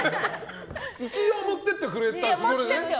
一応持って行ってくれたんですね。